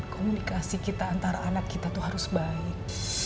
komunikasi kita antara anak kita itu harus baik